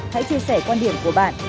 hãy chia sẻ quan điểm của bạn